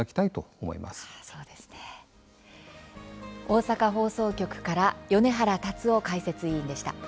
大阪放送局から米原達生解説委員でした。